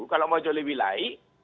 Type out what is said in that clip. kalau mau jauh lebih baik